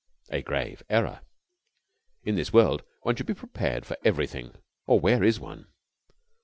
A grave error. In this world one should be prepared for everything, or where is one?